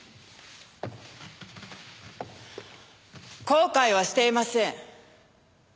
後悔はしていません。